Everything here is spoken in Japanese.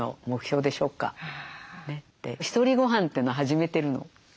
「ひとりごはん」というのを始めてるの。